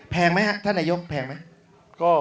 แพงไหมฮะท่านหนุโยก